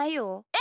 え？